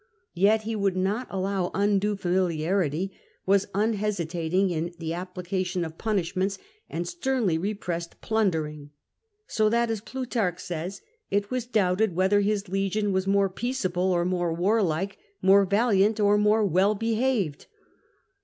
Yet he would not allow undue familiarity, was unhesitating in the application of punish ments, and sternly repressed plundering; so that, as Plutarch says, it was doubted whether his legion was more peaceable or more warlike — more valiant or more well behaved."